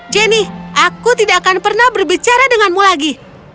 jenny aku tidak akan pernah berbicara denganmu lagi